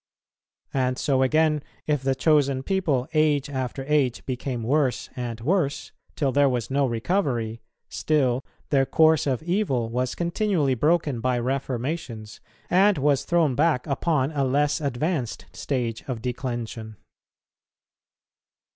And so again, if the chosen people age after age became worse and worse, till there was no recovery, still their course of evil was continually broken by reformations, and was thrown back upon a less advanced stage of declension.